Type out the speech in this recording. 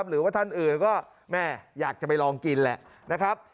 หรือว่าท่านอื่นก็แม่อยากจะไปลองกินแหละนะครับ